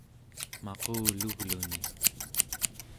maqulugluni